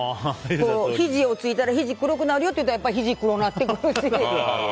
ひじをついたらひじ黒くなるよって言うたらやっぱりひじ、黒なってくるし。